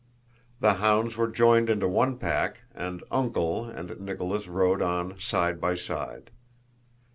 The hounds were joined into one pack, and "Uncle" and Nicholas rode on side by side.